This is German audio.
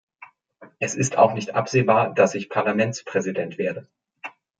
Es ist auch nicht absehbar, dass ich Parlamentspräsident werde.